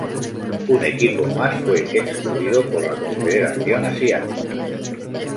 Un equipo más, fue excluido por la Confederación Asiática.